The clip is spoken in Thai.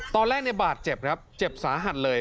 ตอนแรกเนี่ยบาดเจ็บครับเจ็บสาหัสเลย